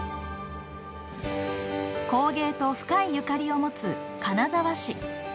工芸と深いゆかりを持つ金沢市。